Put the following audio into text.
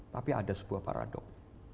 tapi ada sebuah paradok